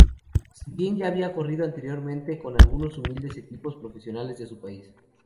Si bien ya había corrido anteriormente con algunos humildes equipos profesionales de su país.